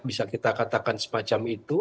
bisa kita katakan semacam itu